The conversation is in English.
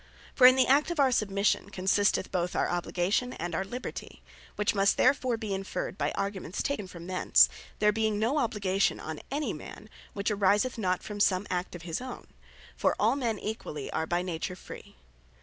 For in the act of our Submission, consisteth both our Obligation, and our Liberty; which must therefore be inferred by arguments taken from thence; there being no Obligation on any man, which ariseth not from some Act of his own; for all men equally, are by Nature Free.